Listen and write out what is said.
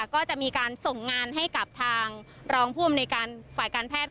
ก็จะมีการส่งงานให้กับทางรองผู้อำนวยการฝ่ายการแพทย์